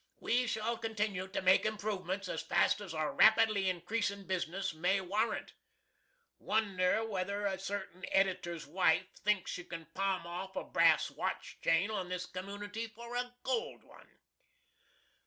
We shall continue to make improvements as fast as our rapidly increasing business may warrant. Wonder whether a certain editor's wife thinks she can palm off a brass watch chain on this community for a gold one?"